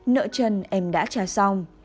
nợ chân em đã trả xong